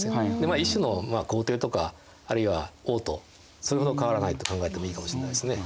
一種の皇帝とかあるいは王とそれほど変わらないと考えてもいいかもしれないですね。